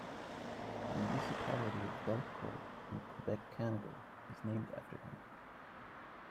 The Municipality of Belcourt in Quebec, Canada, was named after him.